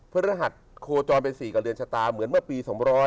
พระฤหัสโคจรเป็น๔กับเรือนชะตาเหมือนว่าปี๒๔๗๔๘